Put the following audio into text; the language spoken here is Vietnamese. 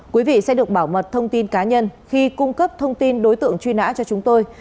quý vị sẽ được bảo mật thông tin cá nhân khi cung cấp thông tin đối tượng truy nã cho chúng tôi